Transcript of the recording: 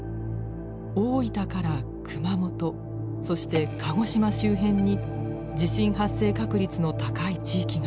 大分から熊本そして鹿児島周辺に地震発生確率の高い地域が。